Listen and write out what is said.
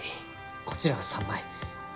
こちらは３枚。